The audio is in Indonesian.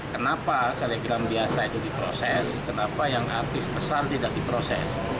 kenapa selebgram biasa itu diproses kenapa yang artis besar tidak diproses